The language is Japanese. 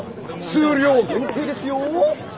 数量限定ですよ！